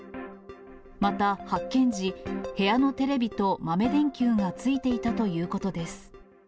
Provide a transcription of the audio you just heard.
また、発見時、部屋のテレビと豆電球がついていたということです。